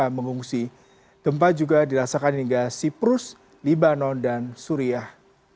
mengungsi gempa juga dirasakan hingga siprus libanon dan suriah